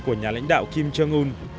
của nhà lãnh đạo kim jong un